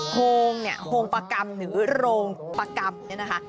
โฮงเนี่ยโฮงประกรรมหรือโรงประกรรมเนี่ยนะคะ